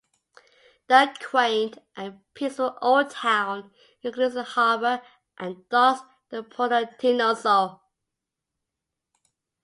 The quaint and peaceful old town includes the harbour and docks, the Puerto Tinosa.